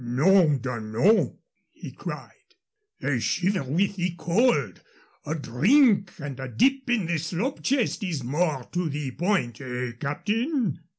"Nom d'un nom!" he cried. "They shiver with the cold. A drink and a dip in the slop chest is more to the point eh, captain?"